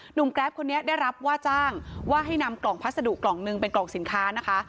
แกรปคนนี้ได้รับว่าจ้างว่าให้นำกล่องพัสดุกล่องหนึ่งเป็นกล่องสินค้านะคะ